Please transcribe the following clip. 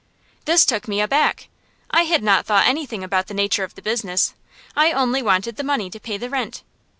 This took me aback. I had not thought anything about the nature of the business. I only wanted the money to pay the rent.